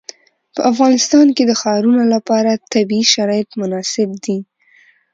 په افغانستان کې د ښارونه لپاره طبیعي شرایط مناسب دي.